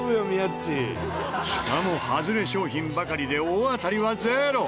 しかも外れ商品ばかりで大当たりはゼロ。